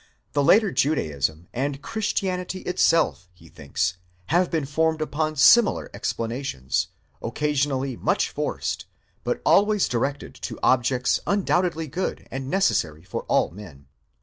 The later Judaism and Christianity itself he thinks have been formed upon similar explanations, occa sionally much forced, but always directed to objects undoubtedly good and necessary for all men.